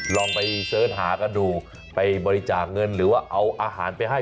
ลองไปเสิร์ชหากันดูไปบริจาคเงินหรือว่าเอาอาหารไปให้